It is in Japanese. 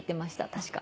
確か。